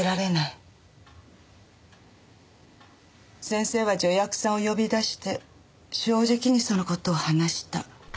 先生は助役さんを呼び出して正直にその事を話した。